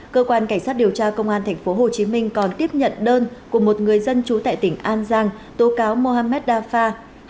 cơ quan cảnh sát điều tra công an tp hcm còn tiếp nhận đơn của một người dân trú tại tỉnh an giang tố cáo mohamed dafar